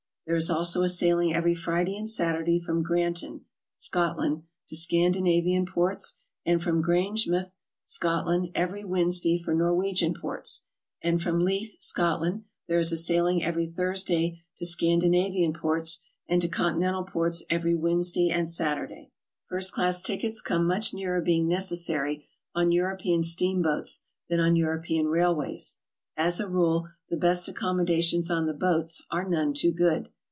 There is also a sailing every Friday and Saturday from Grantion (Scotland) to Scandinavian ports, and from Grangemouth (Scotland) every Wednesday for Norwegian ports; and from Leith (Scotland) there is a sailing every Thursday to .Scandinavian ports, and to Continental ports every Wednesday and Saturday. First class tickets come much nearer being necessary on European steamboats than on European railways. As a rule the best accommodations on the boats are none too good.